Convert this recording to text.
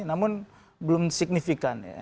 namun belum signifikan